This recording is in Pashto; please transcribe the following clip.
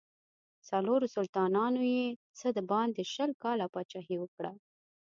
څلورو سلطانانو یې څه باندې شل کاله پاچهي وکړه.